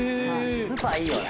スーパーいいよね。